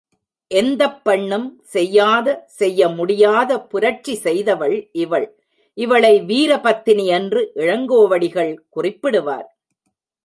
எந்தப் பெண்ணும் செய்யாத, செய்ய முடியாத புரட்சி செய்தவள் இவள் இவளை வீரபத்தினி என்று இளங்கோவடிகள் குறிப்பிடுவார்.